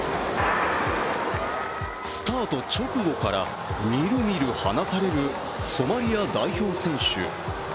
スタート直後からみるみる離されるソマリア代表選手。